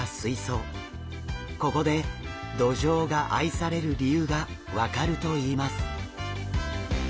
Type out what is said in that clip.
ここでドジョウが愛される理由が分かるといいます。